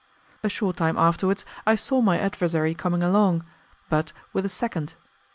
A short time afterwards I saw my adversary coming along, but with a second.